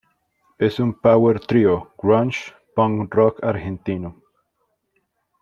Es un Power Trío, Grunge, Punk rock Argentino.